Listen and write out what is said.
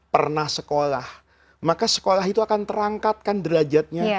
pernah sekolah maka sekolah itu akan terangkatkan derajatnya